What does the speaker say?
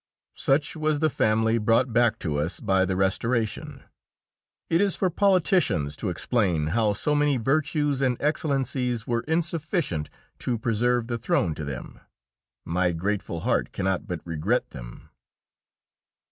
Such was the family brought back to us by the Restoration. It is for politicians to explain how so many virtues and excellencies were insufficient to preserve the throne to them my grateful heart cannot but regret them.